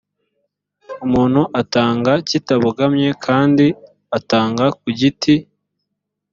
umuntu atanga kitabogamye kandi atanga ku giti